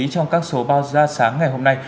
trong các số báo ra sáng ngày hôm nay